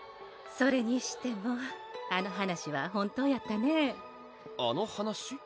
それにしてもあの話は本当やったねぇあの話？